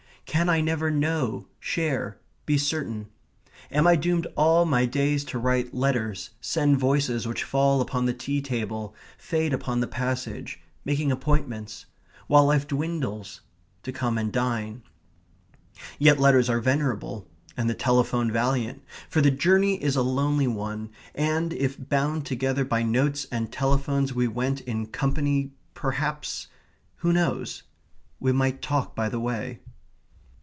Can I never know, share, be certain? Am I doomed all my days to write letters, send voices, which fall upon the tea table, fade upon the passage, making appointments, while life dwindles, to come and dine? Yet letters are venerable; and the telephone valiant, for the journey is a lonely one, and if bound together by notes and telephones we went in company, perhaps who knows? we might talk by the way.